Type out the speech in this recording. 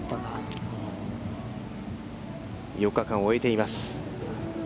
４日間を終えています。